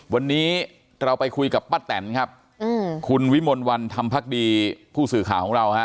วันนี้เราไปคุยกับป้าแตนครับคุณวิมลวันธรรมพักดีผู้สื่อข่าวของเราฮะ